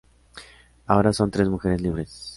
Ahora son tres mujeres libres.